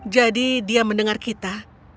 jadi dia mendengar kita